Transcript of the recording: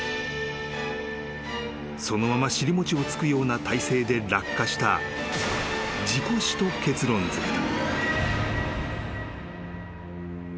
［そのまま尻もちをつくような体勢で落下した事故死と結論づけた］